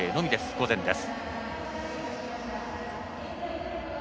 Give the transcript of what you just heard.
午前です。